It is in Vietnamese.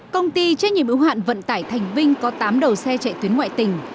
công ty trách nhiệm ưu hạn vận tải thành vinh có tám đầu xe chạy tuyến ngoại tỉnh